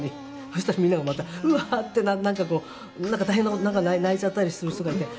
そしたらみんながまたウワッてなんかこう大変な泣いちゃったりする人がいて。